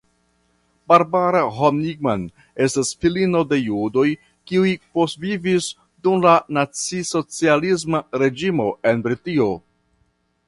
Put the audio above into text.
Barbara Honigmann estas filino de judoj kiuj postvivis dum la nacisocialisma reĝimo en Britio.